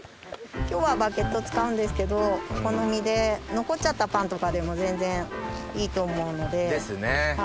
今日はバゲット使うんですけどお好みで残っちゃったパンとかでも全然いいと思うので。ですね。